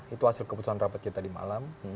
itu hasil keputusan rapat kita tadi malam